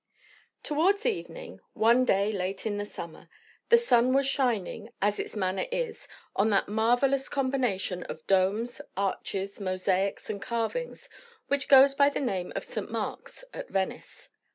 Towards evening, one day late in the summer, the sun was shining, as its manner is, on that marvellous combination of domes, arches, mosaics and carvings which goes by the name of St. Mark's at Venice.